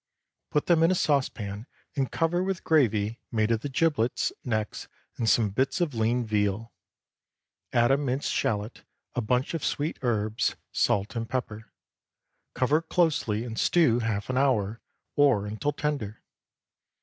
Put them in a saucepan and cover with gravy made of the giblets, necks, and some bits of lean veal. Add a minced shallot, a bunch of sweet herbs, salt, and pepper. Cover closely and stew half an hour, or until tender.